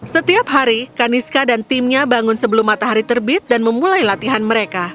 setiap hari kaniska dan timnya bangun sebelum matahari terbit dan memulai latihan mereka